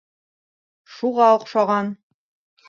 Шуға оҡшаған.